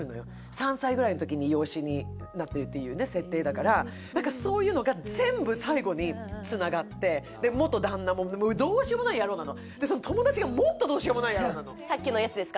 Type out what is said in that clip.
３歳ぐらいのときに養子になってるっていう設定だからなんかそういうのが元旦那ももうどうしようもない野郎なのでその友達がもっとどうしようもない野郎なのさっきのやつですか？